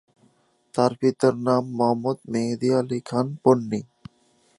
তার পিতার নাম মোহাম্মদ মেহেদী আলী খান পন্নী।